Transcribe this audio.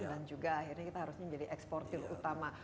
dan juga akhirnya kita harusnya